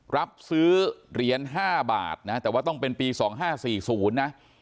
รับซื้อเหรียญ๕บาทนะแต่ว่าต้องเป็นปี๒๕๔๐นะ